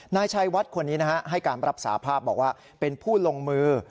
นายชัยวัดคนนี้ให้การรับสาภาพบอกว่าเป็นผู้ลงมือ